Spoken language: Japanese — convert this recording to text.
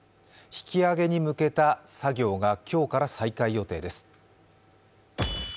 引き揚げに向けた作業が今日から再開予定です。